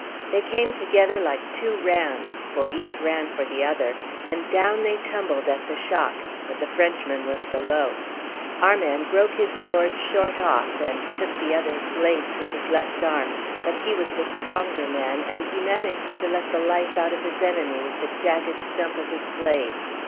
They came together like two rams for each ran for the other and down they tumbled at the shock, but the Frenchman was below. Our man broke his sword short off, and took the other's blade through his left arm; but he was the stronger man, and he managed to let the life out of his enemy with the jagged stump of his blade.